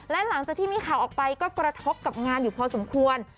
และหลังจากที่มีข่าวออกไปก็กระทบกับงานอยู่พอสมควร